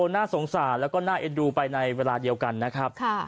น่าสงสารแล้วก็น่าเอ็นดูไปในเวลาเดียวกันนะครับ